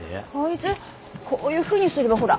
こういうふうにすればほら。